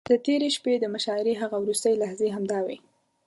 د تېرې شپې د مشاعرې هغه وروستۍ لحظې همداوې.